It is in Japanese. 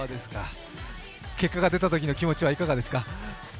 結果が出たときの気持ちはいかがですか。